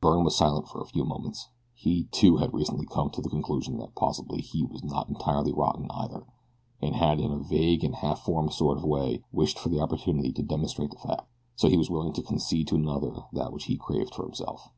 Byrne was silent for a few moments. He, too, had recently come to the conclusion that possibly he was not entirely rotten either, and had in a vague and half formed sort of way wished for the opportunity to demonstrate the fact, so he was willing to concede to another that which he craved for himself.